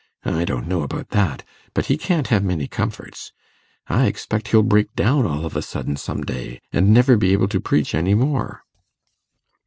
I don't know about that, but he can't have many comforts. I expect he'll break down all of a sudden some day, and never be able to preach any more.